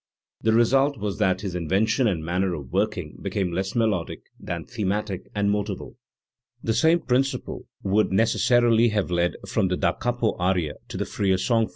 The result was that his invention and manner of working became less melodic than thematic and "motival". The same principle would necessarily have led from the da capo aria to the freer * SeelaG. XLV, pp. 2x3!!